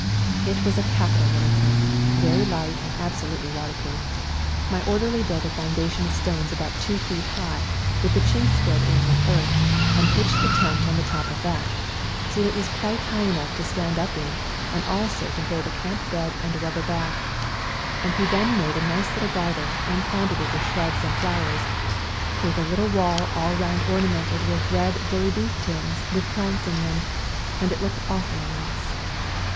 It was a capital little tent, very light and absolutely waterproof. My orderly built a foundation of stones about 2 ft. high, with the chinks filled in with earth, and pitched the tent on the top of that, so that it was quite high enough to stand up in and also to hold a camp bed and a rubber bath, and he then made a nice little garden and planted it with shrubs and flowers, with a little wall all round ornamented with red bully beef tins with plants in them, and it looked awfully nice.